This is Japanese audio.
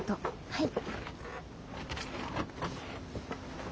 はい！